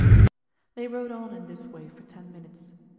They rode on in this way for ten minutes.